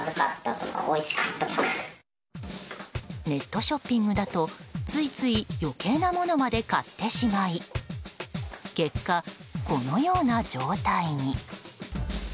ネットショッピングだとついつい、余計なものまで買ってしまい結果、このような状態に。